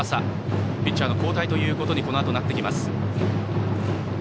ピッチャーの交代ということにこのあと、なってきます。